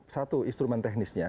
satu instrumen teknisnya